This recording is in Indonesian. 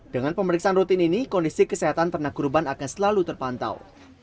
dengan pemeriksaan rutin ini kondisi kesehatan ternak kurban akan selalu terpantau